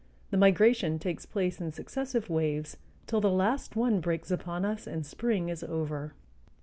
The migration takes place in successive waves, till the last one breaks upon us and spring is over.